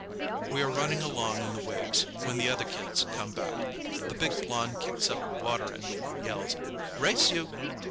We are running along in the waves when the other kids come back. The big blonde kicks up water at me and yells, "Race you!"